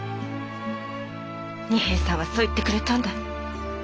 仁兵衛さんはそう言ってくれたんだ。